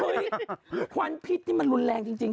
เฮ้ยควันพิษนี่มันรุนแรงจริงนะ